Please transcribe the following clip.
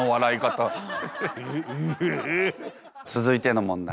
続いての問題